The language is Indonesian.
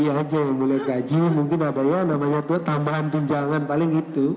ya gaji aja mulia gaji mungkin apa ya namanya itu tambahan tunjangan paling gitu